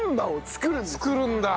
作るんだ！